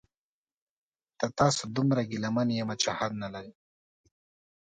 د تاسو دومره ګیله من یمه چې حد نلري